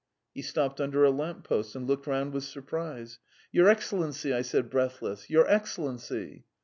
He stopped under a lamp post and looked round with surprise. "Your Excellency!" I said breathless, "your Excellency!"